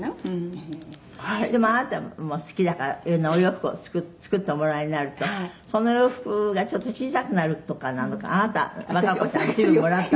「でもあなたも好きだからいろんなお洋服を作っておもらいになるとそのお洋服がちょっと小さくなるとかなのかあなた和歌子さん随分もらった？」